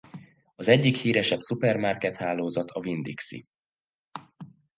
Az egyik híresebb szupermarket-hálózat a Winn-Dixie.